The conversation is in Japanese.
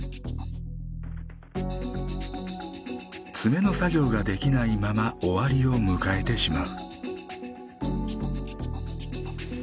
詰めの作業ができないまま終わりを迎えてしまう。